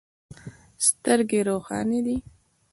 سترګې روښانې دي.